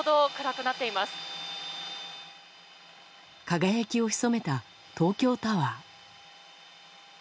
輝きをひそめた東京タワー。